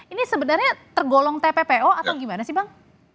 ini sebenarnya tergolong tppo atau gimana sih bang